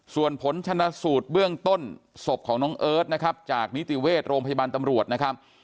ส่วนผลชนะสูตรเบื้องต้นศพของน้องเอิร์ทนะครับจากนิติเวชโรงพยาบาลตำรวจนะครับ